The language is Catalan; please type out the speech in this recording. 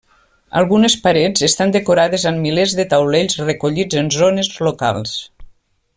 Algunes parets estan decorades amb milers de taulells recollits en zones locals.